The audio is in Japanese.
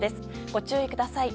ご注意ください。